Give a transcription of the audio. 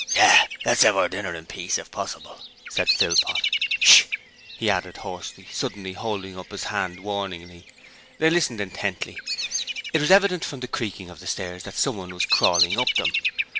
'Yes; let's 'ave our dinner in peace, if possible,' said Philpot. 'Sh!!' he added, hoarsely, suddenly holding up his hand warningly. They listened intently. It was evident from the creaking of the stairs that someone was crawling up them.